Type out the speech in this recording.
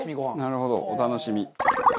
なるほどお楽しみ。